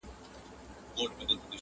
په سبب د لېونتوب دي پوه سوم یاره.